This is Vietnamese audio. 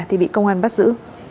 thì bị công an bắt giữ